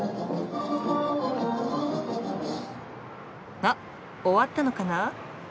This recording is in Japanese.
あっ終わったのかな？